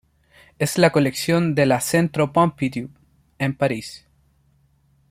Es en la colección de la Centro Pompidou, en Paris.